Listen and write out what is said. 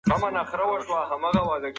د ځنګلونو بې ځایه وهل تاوان لري.